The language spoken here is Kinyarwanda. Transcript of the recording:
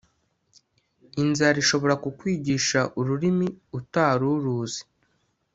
inzara ishobora ku kwigisha ururimi utaruruzi